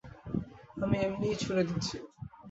আমি এমনিই ছুড়ে দিচ্ছি।